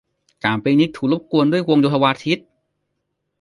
การปิคนิคถูกรบกวนด้วยวงโยธวาทิตย์